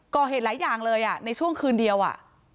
ก่อเหตุหลายอย่างเลยอ่ะในช่วงคืนเดียวอ่ะ